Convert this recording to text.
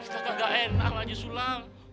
kita kagak enak sama haji sulam